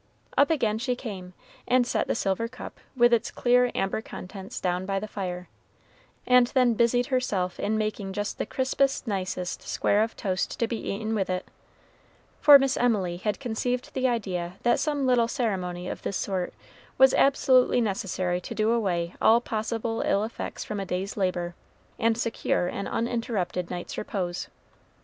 Up again she came, and set the silver cup, with its clear amber contents, down by the fire, and then busied herself in making just the crispest, nicest square of toast to be eaten with it; for Miss Emily had conceived the idea that some little ceremony of this sort was absolutely necessary to do away all possible ill effects from a day's labor, and secure an uninterrupted night's repose.